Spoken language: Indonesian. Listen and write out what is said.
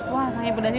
wah sangat pedasnya